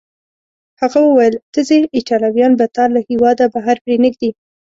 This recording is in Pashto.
هغه وویل: ته ځې، ایټالویان به تا له هیواده بهر پرېنږدي.